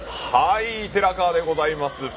はい、寺川でございます。